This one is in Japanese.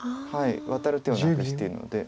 ワタる手をなくしているので。